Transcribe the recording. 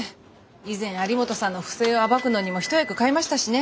以前有本さんの不正を暴くのにも一役買いましたしね。